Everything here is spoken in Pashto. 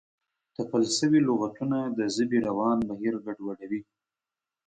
تپل شوي لغتونه د ژبې روان بهیر ګډوډوي.